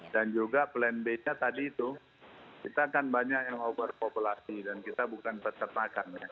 dan juga plan b nya tadi itu kita kan banyak yang overpopulasi dan kita bukan pertemakan ya